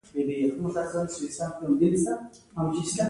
موخې ته تر رسېدو مخکې يې ډېرې سختۍ ګاللې دي.